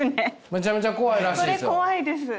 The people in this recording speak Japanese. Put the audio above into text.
めちゃめちゃ怖いらしいですよ。